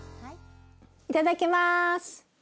いただきます！